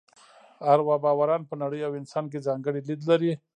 اروا باوران په نړۍ او انسان کې ځانګړی لید لري.